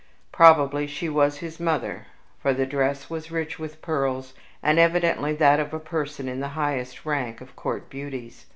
Probably she was his mother, for the dress was rich with pearls, and evidently that of a person in the highest rank of court beauties.